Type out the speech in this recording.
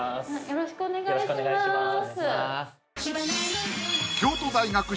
よろしくお願いします